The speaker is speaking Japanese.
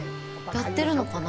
やってるのかな。